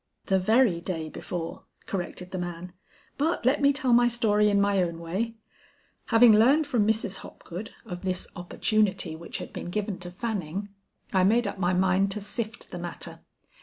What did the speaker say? "The very day before," corrected the man; "but let me tell my story in my own way. Having learned from Mrs. Hopgood of this opportunity which had been given to Fanning, I made up my mind to sift the matter.